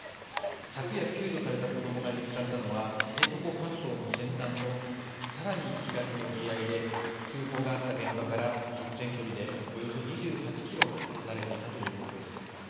昨夜救助された子どもが見つかったのは知床半島の先端のさらに東沖合で通報があった現場から直線距離でおよそ２８キロ離れていたということです。